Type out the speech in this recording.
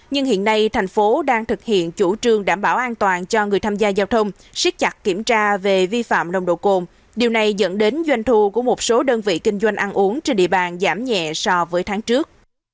nhưng hiện nay thành phố đang thực hiện chủ trương đảm bảo an toàn cho người tham gia giao thông siết chặt kiểm tra về vi phạm nồng độ cồn điều này dẫn đến doanh thu của một số đơn vị kinh doanh ăn uống trên địa bàn giảm nhẹ so với tháng trước